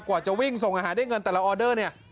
กว่าจะวิ่งส่งอาหารได้เงินแต่ละออเดอร์เนี่ย